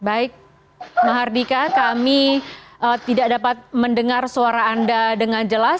baik mahardika kami tidak dapat mendengar suara anda dengan jelas